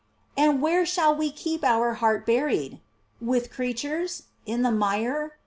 J And where shall we keep our hearts buried ? With creat ures ? In the mire ?